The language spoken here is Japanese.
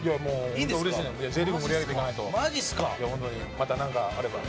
またなんかあれば。